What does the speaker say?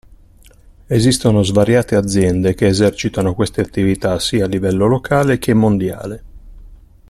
Esistono svariate aziende che esercitano queste attività sia a livello locale che mondiale.